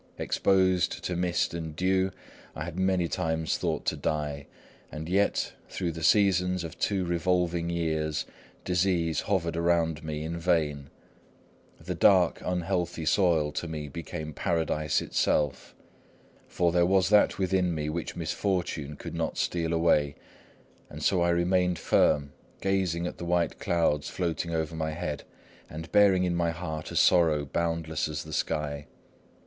Exposed to mist and dew, I had many times thought to die; and yet, through the seasons of two revolving years, disease hovered around me in vain. The dark, unhealthy soil to me became Paradise itself. For there was that within me which misfortune could not steal away. And so I remained firm, gazing at the white clouds floating over my head, and bearing in my heart a sorrow boundless as the sky.